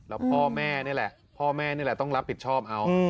แล้วพ่อแม่นี่แหละพ่อแม่นี่แหละต้องรับผิดชอบเอา